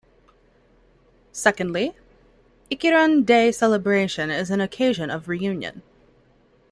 Secondly, Ikirun Day Celebration is an occasion of re-union.